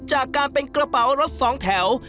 จากการเป็นกระเป๋ารถสองแถว